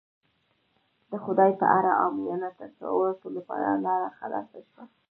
د خدای په اړه عامیانه تصوراتو لپاره لاره خلاصه شوه.